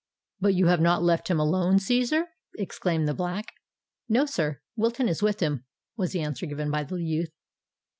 "But you have not left him alone, Cæsar?" exclaimed the Black. "No, sir—Wilton is with him," was the answer given by the youth.